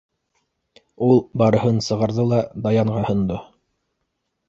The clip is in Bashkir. Ул барыһын сығарҙы ла, Даянға һондо.